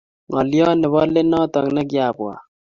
Ngolio nebo let notok nekiabuat